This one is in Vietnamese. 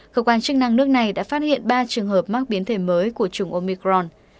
cơ quan chức năng nước này đã phát hiện ba trường hợp mắc biến thể mới của chủng omicron